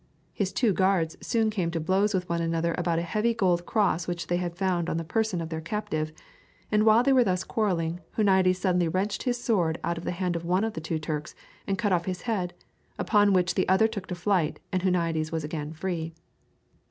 His two guards soon came to blows with one another about a heavy gold cross which they had found on the person of their captive, and, while they were thus quarrelling, Huniades suddenly wrenched his sword out of the hand of one of the two Turks and cut off his head, upon which the other took to flight, and Huniades was again free.